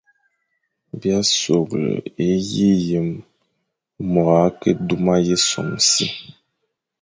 B î a soghle e yi yem é môr a ke duma yʼé sôm si,